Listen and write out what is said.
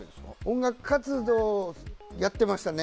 音楽活動やってましたね。